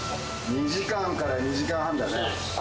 ２時間から２時間半だね。